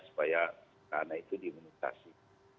supaya anak itu diimunisasi